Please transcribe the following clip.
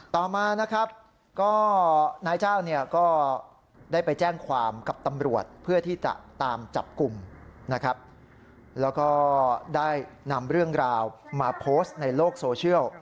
ต่อมานะครับก็นายจ้างเนี่ยก็ได้ไปแจ้งความกับตำรวจเพื่อที่จะตามจับกลุ่มนะครับแล้วก็ได้นำเรื่องราวมาโพสต์ในโลกโซเชียล